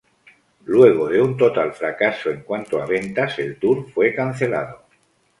Luego de un total fracaso en cuanto a ventas el tour fue cancelado.